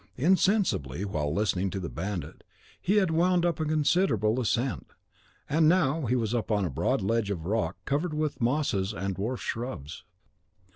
Insensibly, while listening to the bandit, he had wound up a considerable ascent, and now he was upon a broad ledge of rock covered with mosses and dwarf shrubs.